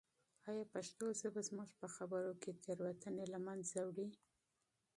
آیا پښتو ژبه زموږ په خبرو کې تېروتنې له منځه وړي؟